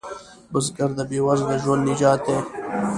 بزګر د بې وزله ژوند نجات دی